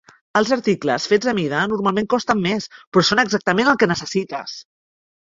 Els articles fets a mida normalment costen més, però són exactament el que necessites.